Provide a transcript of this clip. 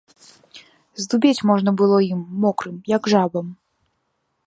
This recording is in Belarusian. Здубець можна было ім, мокрым, як жабам.